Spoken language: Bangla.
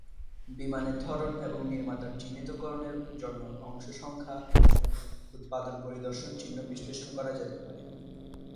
বিমানের ধরন এবং নির্মাতার চিহ্নিতকরণের জন্য অংশ সংখ্যা এবং উৎপাদন পরিদর্শন চিহ্ন বিশ্লেষণ করা যেতে পারে।